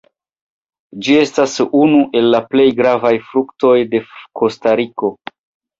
Ĝi estas unu el la plej gravaj fruktoj de Kostariko.